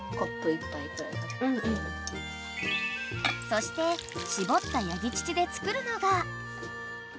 ［そして搾ったヤギ乳で作るのが］